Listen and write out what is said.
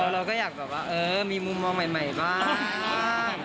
เราก็อยากแบบว่าเออมีมุมมองใหม่บ้าง